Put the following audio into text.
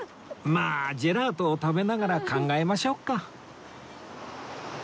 まあジェラートを食べながら考えましょうか